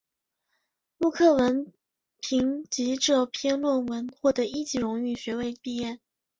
陆克文凭藉这篇论文获得一级荣誉学位毕业。